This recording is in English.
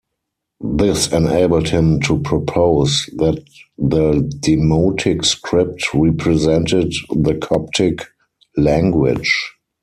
This enabled him to propose that the demotic script represented the Coptic language.